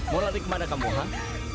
mau lari kemana kamu han